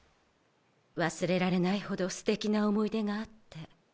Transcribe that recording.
忘れられないほど素敵な思い出があって。